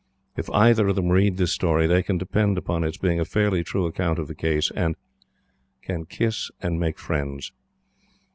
If either of them read this story, they can depend upon its being a fairly true account of the case, and can "kiss and make friends."